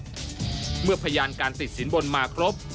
เวลาที่กำหนดเมื่อพยานการติดศิลป์บนมาครบ